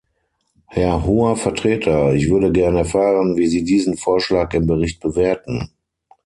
Herr Hoher Vertreter, ich würde gern erfahren, wie Sie diesen Vorschlag im Bericht bewerten.